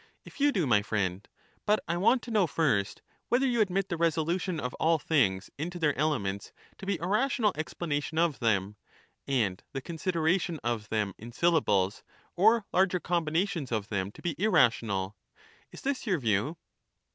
If you do, my friend ; but I want to know first, whether you admit the resolution of all things into their elements to be a rational explanation of them, and the con sideration of them in syllables or larger combinations of them to be irrational — is this your view